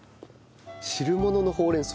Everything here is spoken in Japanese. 汁物のほうれん草